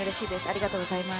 ありがとうございます。